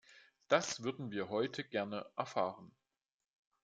Das würden wir heute gerne erfahren.